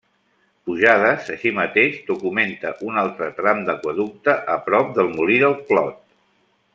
Pujades, així mateix, documenta un altre tram d'aqüeducte a prop del Molí del Clot.